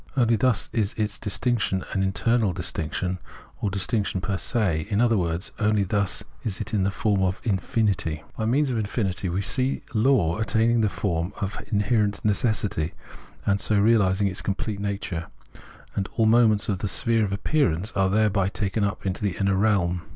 Only thus is it distinction as internal distinction, or distinction fer se ; in other words, only thus is it in the form of Infinity. By means of infinity we see law attaining the form of inherent necessity, and so reahsing its complete nature ; and all moments of the sphere of appearance are thereby taken up into the inner realm.